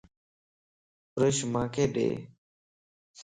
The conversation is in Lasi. بروش مانک ڏي